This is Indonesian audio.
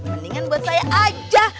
mendingan buat saya aja